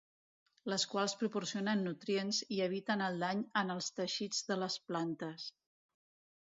Les quals proporcionen nutrients i eviten el dany en els teixits de les plantes.